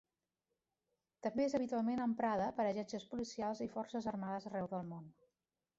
També és habitualment emprada per agències policials i forces armades arreu del món.